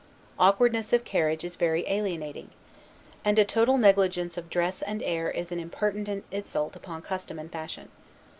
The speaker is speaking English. Awkwardness of carriage is very alienating; and a total negligence of dress and air is an impertinent insult upon custom and fashion.